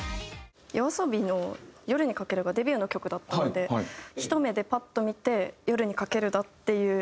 ＹＯＡＳＯＢＩの『夜に駆ける』がデビューの曲だったのでひと目でパッと見て『夜に駆ける』だっていう。